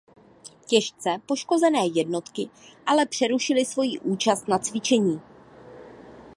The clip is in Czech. Těžce poškozené jednotky ale přerušily svoji účast na cvičení.